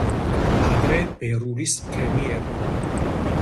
ადრე ბერულის თემი ერქვა.